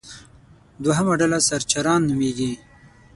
دوهمه ډله سرچران نومېږي.